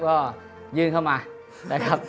ก็ยื่นเข้ามานะครับ